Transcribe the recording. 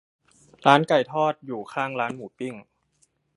ร้านไก่ทอดอยู่ข้างร้านหมูปิ้ง